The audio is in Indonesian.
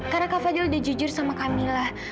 karena kak fadil udah jujur sama kamilah